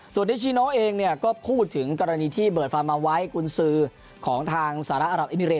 ส่วนดิจิน้องเองก็พูดถึงกรณีที่เบิดฟาร์มอลไวท์กุญศือของทางสหรัฐอัตเมริกั์